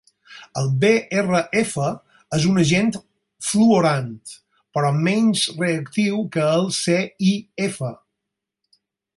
El BrF és un agent fluorant, però menys reactiu que el ClF.